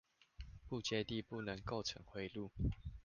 不接地不能構成迴路